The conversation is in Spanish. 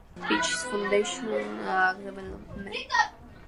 De Laguna, Speech, Its Function and Development.